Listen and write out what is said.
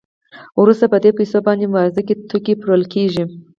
وروسته په دې پیسو باندې بازار کې توکي پېرل کېږي